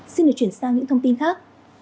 xin được chuyển sang những thông tin khác